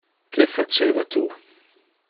Que faceva tu?